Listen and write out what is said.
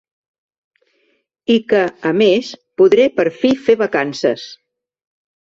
I que, a més, podré per fi fer vacances.